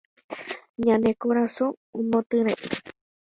Ñane korasõ omotyre'ỹ